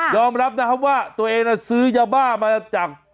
อมรับนะครับว่าตัวเองซื้อยาบ้ามาจาก